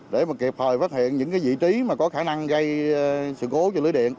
để mà kịp thời phát hiện những vị trí mà có khả năng gây sự cố cho lưới điện